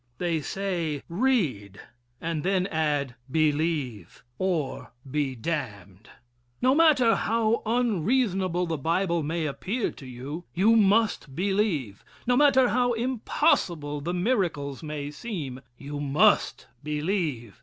They say: "Read," and then add: "Believe, or be damned." "No matter how unreasonable the Bible may appear to you, you must believe. No matter how impossible the miracles may seem, you must believe.